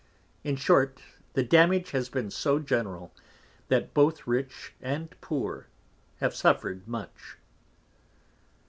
In short, the Damage has been so general, that both Rich and Poor have suffered much.